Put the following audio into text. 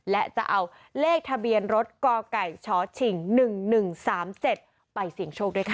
และจะเอาเลขทะเบียนรถกไก่ชชิง๑๑๓๗ไปเสี่ยงโชคด้วยค่ะ